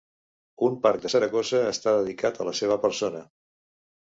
Un parc de Saragossa està dedicat a la seva persona.